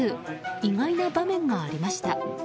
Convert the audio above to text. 意外な場面がありました。